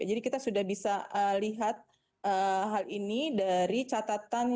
jadi kita sudah bisa lihat hal ini dari catatan